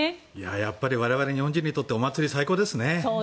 やっぱり我々日本人にとってお祭り、最高ですね。